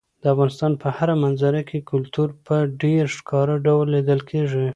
د افغانستان په هره منظره کې کلتور په ډېر ښکاره ډول لیدل کېږي.